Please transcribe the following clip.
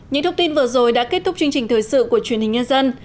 những thông tin vừa rồi đã kết thúc chương trình thời sự của truyền hình nhân dân